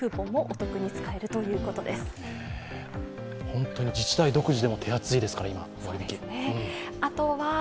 本当に自治体独自でも手厚いですから、今、割引。